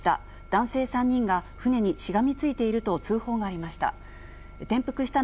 男性３人が船にしがみついていると、通報がありました。